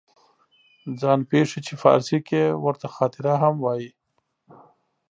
ځان پېښې چې فارسي کې ورته خاطره هم وایي